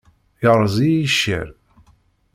Yerreẓ-iyi yiccer.